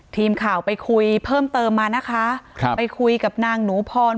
ทีมข่าวไปคุยเพิ่มเติมมานะคะครับไปคุยกับนางหนูพร